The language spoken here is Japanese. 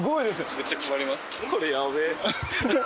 めっちゃ配ります。